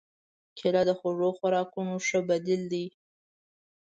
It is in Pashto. کېله د خوږو خوراکونو ښه بدیل دی.